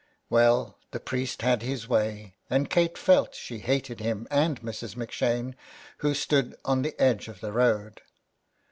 Well, the priest had his way , and Kate felt she hated him and Mrs. M 'Shane, who stood on the edge of the road.